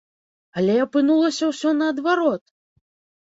Але апынулася ўсё наадварот!